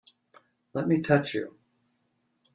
Let me touch you!